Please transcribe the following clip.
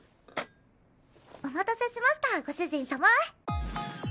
お待たせしましたご主人さま。